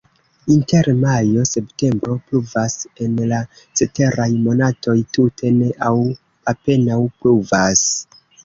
Inter majo-septembro pluvas, en la ceteraj monatoj tute ne aŭ apenaŭ pluvas.